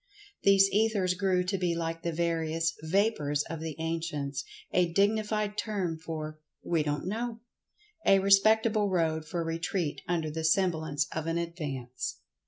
These Ethers grew to be like the various "Vapors" of the ancients—a dignified term for "We don't know"—a respectable road for retreat under the semblance of an advance.